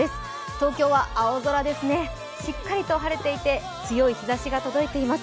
東京は青空ですね、しっかりと晴れていて、強い日ざしが届いています。